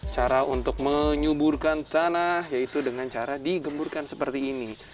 cara untuk menyuburkan tanah yaitu dengan cara digemburkan seperti ini